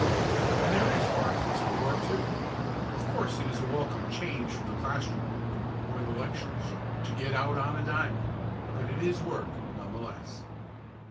And there is hard physical work, too. Of course it is a welcome change from the class room work, or the lectures, to get out on the diamond, but it is work, none the less.